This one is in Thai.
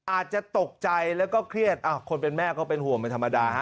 อาจจะตกใจแล้วก็เครียดคนเป็นแม่ก็เป็นห่วงเป็นธรรมดาฮะ